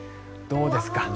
どうですか。